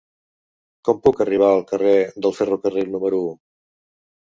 Com puc arribar al carrer del Ferrocarril número u?